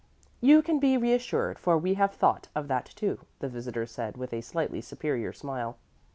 "You can be reassured, for we have thought of that, too," the visitor said with a slightly superior smile.